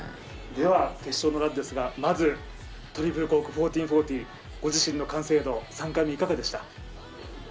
では決勝のランですが、トリプルコーク１４４０、ご自身の完成度、３回目いかがでした？